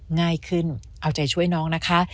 ง่ายขึ้นเอาใจช่วยน้องนะคะ